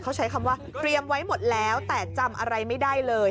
เขาใช้คำว่าเตรียมไว้หมดแล้วแต่จำอะไรไม่ได้เลย